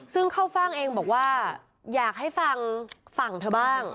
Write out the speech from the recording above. ซึ่งเข้าฟ่างเองบอกว่าอยากให้ฟังฝั่งเธอบ้าง